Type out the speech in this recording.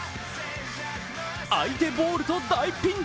相手ボールと大ピンチ。